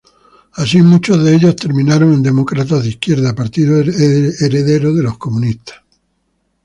Así, muchos de ellos terminaron en Demócratas de Izquierda, partido heredero de los comunistas.